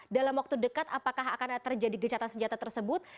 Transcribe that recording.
dalam waktu dekat apakah akan terjadi gencatan senjata tersebut